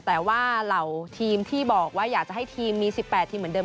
แต่ว่าเหล่าทีมที่บอกว่าอยากจะให้ทีมมี๑๘ทีมเหมือนเดิ